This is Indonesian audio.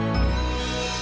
om aku mau dateng